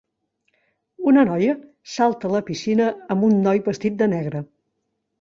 Una noia salta a la piscina amb un noi vestit de negre.